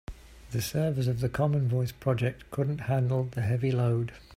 The servers of the common voice project couldn't handle the heavy load.